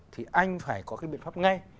thì anh phải có cái biện pháp ngay